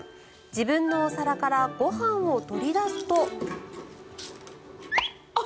自分のお皿からご飯を取り出すと。